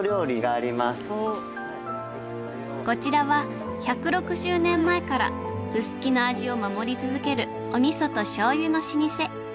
こちらは１６０年前から臼杵の味を守り続けるお味噌と醤油の老舗。